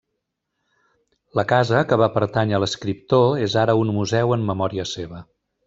La casa que va pertànyer a l'escriptor és ara un museu en memòria seva.